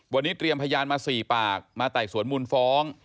วันนี้เตรียมพยานมา๔ปากมาไต่สวนมูลฟ้อง